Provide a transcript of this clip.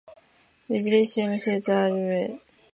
ミズーリ州の州都はジェファーソンシティである